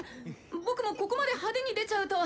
「僕もここまで派手に出ちゃうとは。